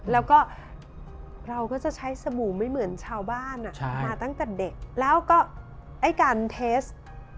แล้วก็เราก็จะใช้สบู่ไม่เหมือนชาวบ้านมาตั้งแต่เด็กแล้วก็ไอ้การเทส